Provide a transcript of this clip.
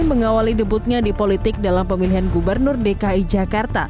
mengawali debutnya di politik dalam pemilihan gubernur dki jakarta